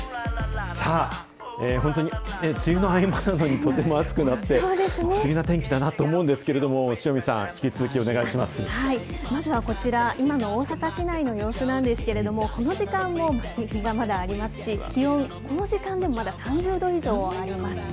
本当に、梅雨の合間なのに、とても暑くなって、不思議な天気だなと思うんですけれども、まずはこちら、今の大阪市内の様子なんですけれども、この時間も日がまだありますし、気温、この時間でもまだ３０度以上あります。